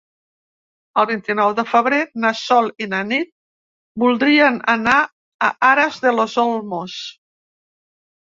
El vint-i-nou de febrer na Sol i na Nit voldrien anar a Aras de los Olmos.